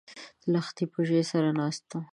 د لښتي په ژۍ سره ناست و